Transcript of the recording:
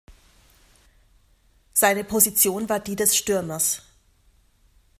Seine Position war die des Stürmers.